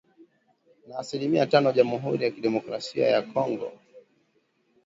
na asilimia tano Jamhuri ya Kidemokrasia ya Kongo